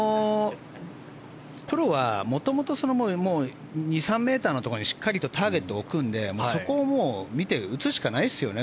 プロは元々、２３ｍのところにしっかりターゲットを置くのでそこを見て打つしかないですよね